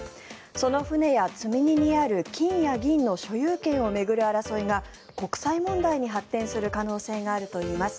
その船や積み荷にある金や銀の所有権を巡る争いが国際問題に発展する可能性があるといいます。